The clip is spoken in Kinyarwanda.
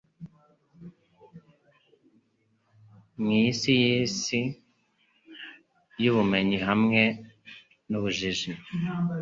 Mwisi yisi yubumenyi hamwe nubujiji